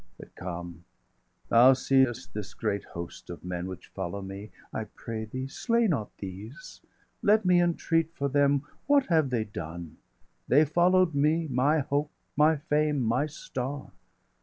But come! thou seest this great host of men Which follow me; I pray thee, slay not these! Let me entreat for them; what have they done? 780 They follow'd me, my hope, my fame, my star.